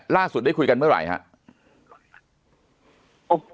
ล่าสุดได้คุยกันเมื่อไหร่ครับ